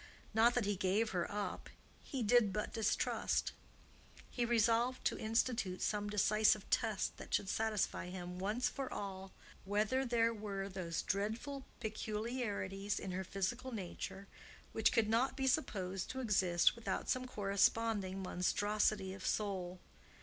Not that he gave her up; he did but distrust. He resolved to institute some decisive test that should satisfy him, once for all, whether there were those dreadful peculiarities in her physical nature which could not be supposed to exist without some corresponding monstrosity of soul.